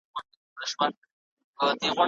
آیا ټایپ کول تر قلمي لیکلو چټک دي؟